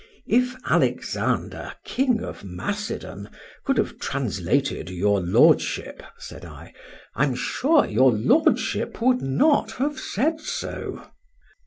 — —If Alexander, King of Macedon, could have translated your Lordship, said I, I'm sure your Lordship would not have said so.